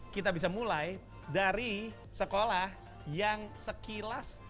kita bisa mulai dari sekolah yang sekilas